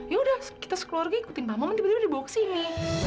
yaudah kita sekeluarga ngikutin pam paman tiba tiba dibawa kesini